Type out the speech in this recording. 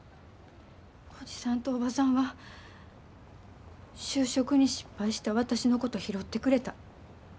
おじさんとおばさんは就職に失敗した私のこと拾ってくれた。